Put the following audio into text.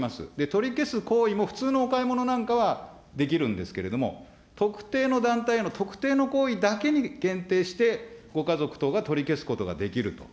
取り消す行為も普通のお買い物なんかはできるんですけれども、特定の団体への、特定の行為だけに限定して、ご家族等が取り消すことができると。